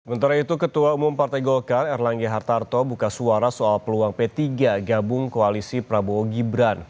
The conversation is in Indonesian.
sementara itu ketua umum partai golkar erlangga hartarto buka suara soal peluang p tiga gabung koalisi prabowo gibran